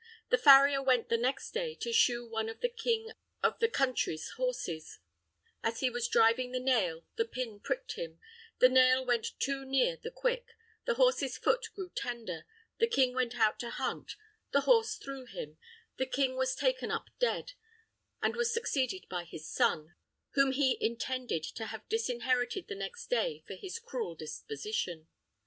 The farrier went the next day to shoe one of the king of the country's horses; as he was driving the nail, the pin pricked him, the nail went too near the quick, the horse's foot grew tender, the king went out to hunt, the horse threw him, the king was taken up dead, and was succeeded by his son, whom he intended to have disinherited the next day for his cruel disposition.